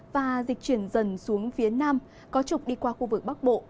và dịch chuyển dần xuống phía nam có trục đi qua khu vực bắc bộ